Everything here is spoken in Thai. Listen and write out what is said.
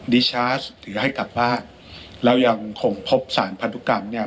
ดิชาร์จหรือให้กลับบ้านเรายังคงพบสารพันธุกรรมเนี้ย